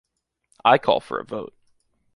I call for a vote.